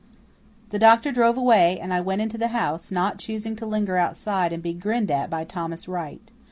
The doctor drove away, and I went into the house, not choosing to linger outside and be grinned at by Thomas Wright.